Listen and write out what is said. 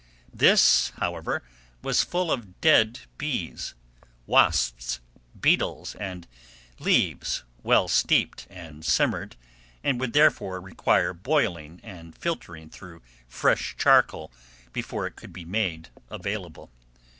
This, however, was full of dead bees, wasps, beetles, and leaves, well steeped and simmered, and would, therefore, require boiling and filtering through fresh charcoal before it could be made available.